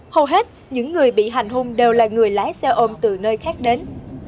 hầu hết những người bị hành hung đều là người lái xe ôm từ nơi khác đến